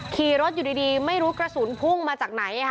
ขี่รถอยู่ดีไม่รู้กระสุนพุ่งมาจากไหน